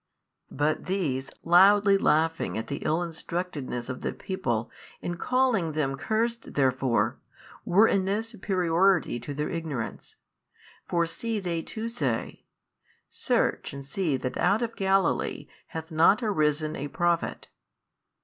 But these loudly laughing at the ill instructedness of the people and calling them cursed therefore, were in no superiority to their ignorance. For see they too say, Search and see that out of Galilee hath not arisen a prophet.